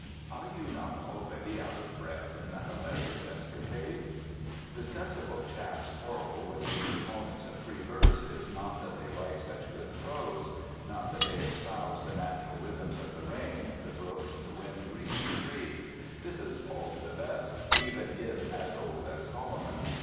Are you not already out of breath in the hilarious escapade? The sensible map's quarrel with the proponents of free verse is not that they write such good prose; not that they espouse the natural rhythms of the rain, the brook, the wind grieved tree; this is all to the best, even if as old as Solomon.